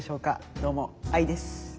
どうもＡＩです。